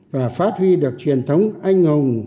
và phát huy được truyền thống anh hùng